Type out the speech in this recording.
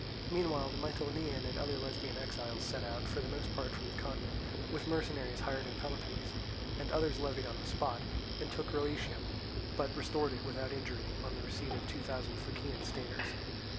Meanwhile, the Mitylenian and other Lesbian exiles set out, for the most part from the continent, with mercenaries hired in Peloponnese, and others levied on the spot, and took Rhoeteum, but restored it without injury on the receipt of two thousand Phocaean staters.